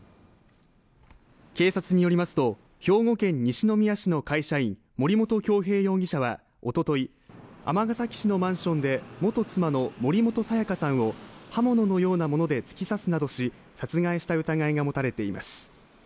警察によりますと、兵庫県西宮市の会社員、森本恭平容疑者は、おととい、尼崎市のマンションで元妻の森本彩加さんを刃物のようなもので突き刺すなどし、殺害した疑いが持たれています。